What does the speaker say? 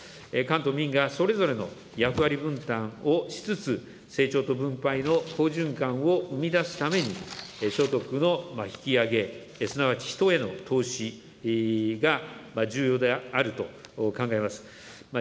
官と民がそれぞれの役割分担をしつつ、成長と分配の好循環を生み出すために、所得の引き上げ、すなわち人への投資が重要であると考えます。